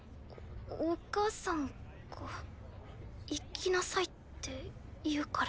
おお母さんが行きなさいって言うから。